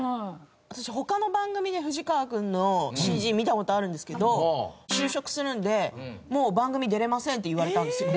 私他の番組で藤川君のＣＧ見た事あるんですけど「就職するんでもう番組出られません」って言われたんですよ。